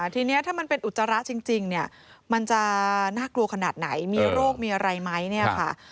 ทีนี้ถ้ามันเป็นอุจจาระจริงเนี่ยมันจะน่ากลัวขนาดไหนมีโรคมีอะไรไหมเนี่ยค่ะ